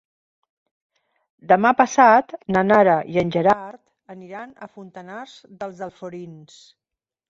Demà passat na Nara i en Gerard aniran a Fontanars dels Alforins.